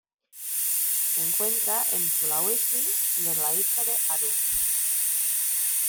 Se encuentra en Sulawesi y en la isla de Aru.